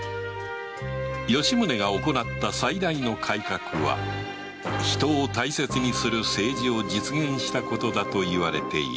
吉宗が行った最大の改革は人を大切にする政治を実現したことだといわれている